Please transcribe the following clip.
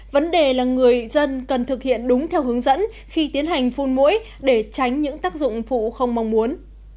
vấn đề là người dân cần thực hiện đúng theo hướng dẫn khi tiến hành phun mũi để tránh những tác dụng phụ không mong muốn